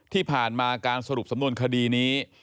ที่ผ่านมาการสรุปสำนวนคดีนี้